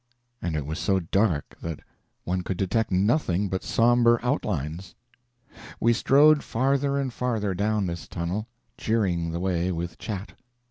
And it was so dark that one could detect nothing but somber outlines. We strode farther and farther down this tunnel, cheering the way with chat.